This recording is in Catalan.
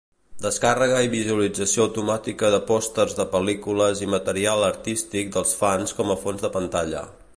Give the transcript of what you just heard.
Descàrrega i visualització automàtica de pòsters de pel·lícules i material artístic dels fans com a fons de pantalla.